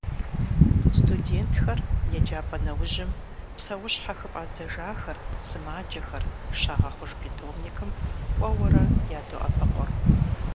Студентхэр еджапӏэ нэужьым, псэущьхьэ хыфӏадзэжахэр, сымаджэхэр, щагъэхъуж питомникым кӏуэуэрэ ядоӏэпыкъур.